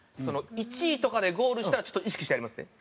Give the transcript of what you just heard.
１位とかでゴールしたらちょっと意識してやりますね。